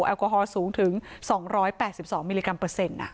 อัลกอฮอล์สูงถึงสองร้อยแปดสิบสองมิลลิกรัมเพอร์เซ็นต์อ่ะ